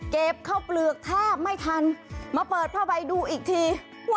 ข้าวเปลือกแทบไม่ทันมาเปิดผ้าใบดูอีกที